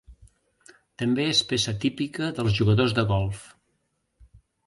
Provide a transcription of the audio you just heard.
També és peça típica dels jugadors de golf.